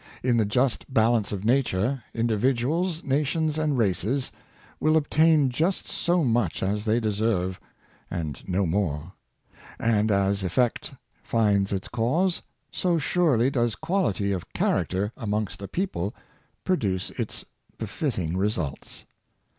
In the just balance of nature, individuals, nations, and races, will obtain just so much as they deserve, and no more. And as effect finds its cause, so surely does quality of character amongst a people produce its be fitting results.